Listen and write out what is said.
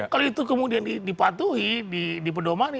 kalau itu kemudian dipatuhi dipedomani